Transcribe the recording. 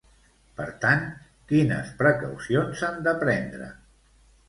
Per tant, quines precaucions s'han de prendre?